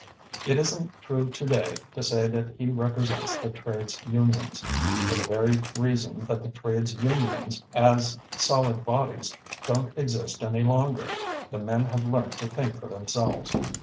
It isn't true to day to say that he represents the trades unions, for the very reason that the trades unions as solid bodies don't exist any longer. The men have learnt to think for themselves.